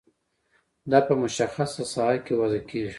دا په مشخصه ساحه کې وضع کیږي.